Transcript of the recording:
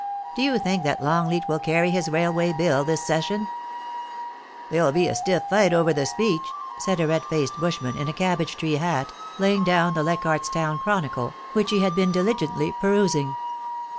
Do you think that Longleat will carry his railway bill this session ?There'll be a stiff fight over the Speech,' said a red faced bushman, in a cabbage tree hat, laying down the Lcichardfs Town Chronicle^ which he had been diligently perusing.